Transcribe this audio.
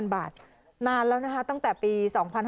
บาทนานแล้วนะคะตั้งแต่ปี๒๕๕๙